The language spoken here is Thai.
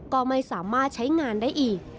ก็ไม่สามารถใช้งานได้อีก